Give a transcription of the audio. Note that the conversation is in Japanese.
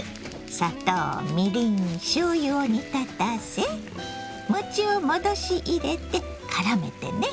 砂糖みりんしょうゆを煮立たせ餅を戻し入れてからめてね。